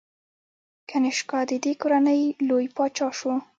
کنیشکا د دې کورنۍ لوی پاچا شو